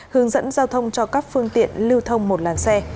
hướng dẫn giao thông cho các phương tiện lưu thông một làn xe